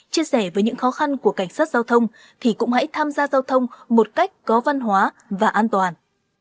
chia sẻ với những khó khăn của cảnh sát giao thông thì cũng hãy tham gia giao thông một cách có văn hóa và an toàn